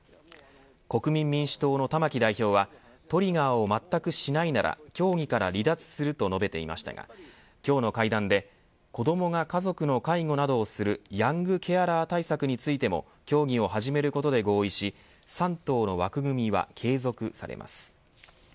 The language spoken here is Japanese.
国民民主党の玉木代表はトリガーを全くしないなら協議から離脱すると述べていましたが今日の会談で子どもが家族の介護などをするヤングケアラー対策についても協議を始めることで合意し３党の枠組みは継続されます。